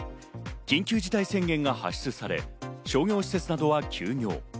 緊急事態宣言が発出され、商業施設などは休業。